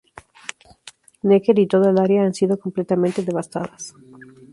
Necker y toda el área han sido completamente devastadas".